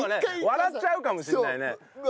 笑っちゃうかもしれないね。